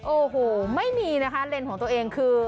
โอ้โหไม่มีนะคะเลนส์ของตัวเองคือ